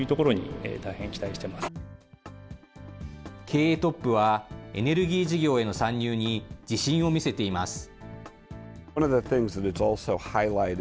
経営トップは、エネルギー事業への参入に自信を見せています。